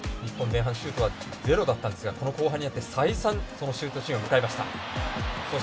日本、前半はシュートは０でしたがこの後半によって再三そのシュートシーンを迎えました。